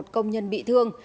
một công nhân bị thương